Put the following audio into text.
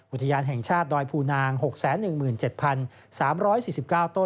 อุทยานแห่งชาติดอยภูนาง๖๑๗๓๔๙ต้น